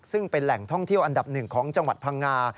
ซึ่งเป็นแหล่งท่องเที่ยวอันดับหนึ่งของจังหวัดพังงา